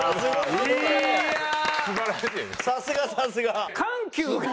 さすがさすが！